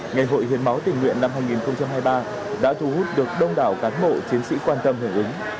ngày hội hiến máu tỉnh nguyện năm hai nghìn hai mươi ba đã thu hút được đông đảo cán bộ chiến sĩ quan tâm hưởng ứng